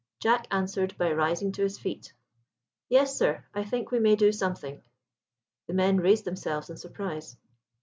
Jack answered by rising to his feet. "Yes, sir, I think we may do something." The men raised themselves in surprise.